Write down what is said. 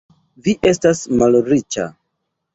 Vi estas malriĉa!